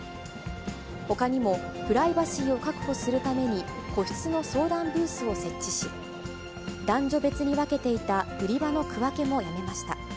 ほかにもプライバシーを確保するために、個室の相談ブースを設置し、男女別に分けていた売り場の区分けもやめました。